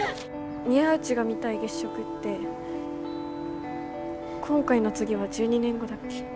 宮内が見たい月食って今回の次は１２年後だっけ？